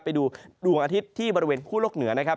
ไปดูดวงอาทิตย์ที่บริเวณคู่โลกเหนือนะครับ